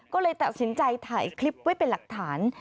ก็เลยตัดสินใจถ่ายคลิปไว้เป็นหลักฐาน